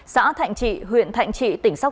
xã thạnh trị huyện thạnh trị tỉnh sóc